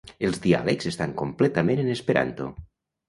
Els diàlegs estan completament en esperanto.